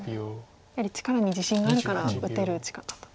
やはり力に自信があるから打てる打ち方と。